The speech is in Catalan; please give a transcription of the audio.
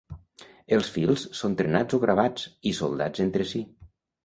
Els fils són trenats o gravats i soldats entre si.